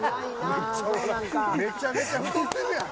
めちゃくちゃ太ってるやん。